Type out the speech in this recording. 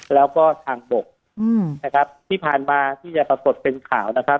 แล้วก็ทางบกนะครับที่ผ่านมาที่จะปรากฏเป็นข่าวนะครับ